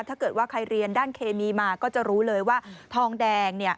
ถ้าเกิดว่าใครเรียนด้านเคมีมาก็จะรู้เลยว่าทองแดงเนี่ย